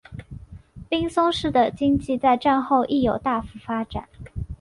滨松市的经济在战后亦有大幅发展。